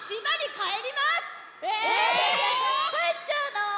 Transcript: ⁉かえっちゃうの？